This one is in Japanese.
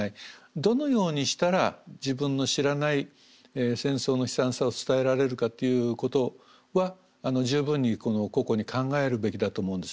どのようにしたら自分の知らない戦争の悲惨さを伝えられるかということは十分に個々に考えるべきだと思うんです。